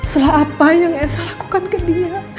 setelah apa yang esa lakukan ke dia